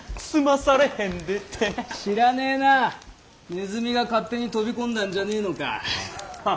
ネズミが勝手に飛び込んだんじゃねえのか。